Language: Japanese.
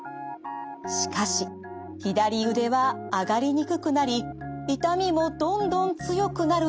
しかし左腕は上がりにくくなり痛みもどんどん強くなる一方。